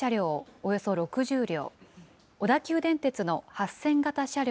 およそ６０両、小田急電鉄の８０００形車両